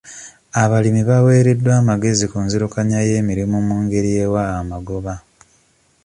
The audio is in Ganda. Abalimi baaweereddwa amagezi ku nzirukanya y'emirimu mu ngeri ewa amagoba.